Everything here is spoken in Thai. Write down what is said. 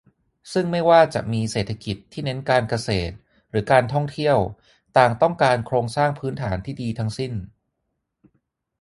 ซึ่งไม่ว่าจะมีเศรษฐกิจที่เน้นการเกษตร หรือ การท่องเที่ยว ต่างต้องการโครงสร้างพื้นฐานที่ดีทั้งสิ้น